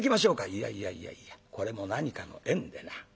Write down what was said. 「いやいやいやいやこれも何かの縁でな。